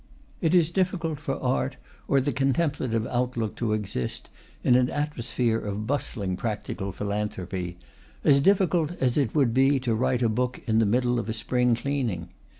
It is difficult for art or the contemplative outlook to exist in an atmosphere of bustling practical philanthropy, as difficult as it would be to write a book in the middle of a spring cleaning.